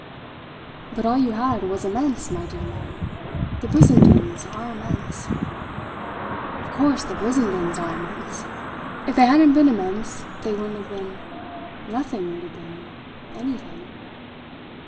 "But all you had was immense, my dear man. The Brissendens are immense." "Of course the Brissendens are immense! If they hadn't been immense they wouldn't have been nothing would have been anything."